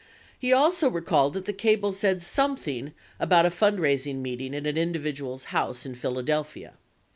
He also recalled that the cable said something about a fundraising meeting at an individual's house in Philadelphia.